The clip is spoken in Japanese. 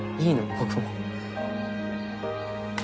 僕も。